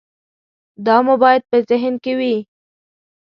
دا مو باید په ذهن کې وي.